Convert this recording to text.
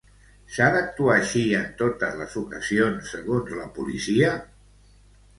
S'ha d'actuar així en totes les ocasions, segons la policia?